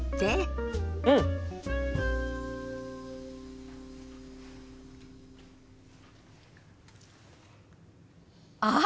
うん！あっ！